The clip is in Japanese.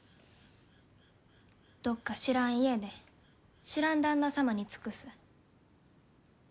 どっか知らん家で知らん旦那様に尽くす。